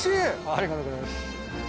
ありがとうございます。